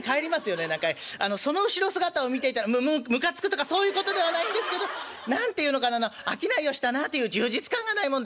その後ろ姿を見ていたらむむかつくとかそういうことではないんですけど何て言うのかな商いをしたなという充実感がないもんで」。